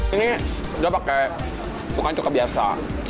ini dia pakai cuka cuka biasa